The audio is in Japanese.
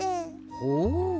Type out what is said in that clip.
ほう。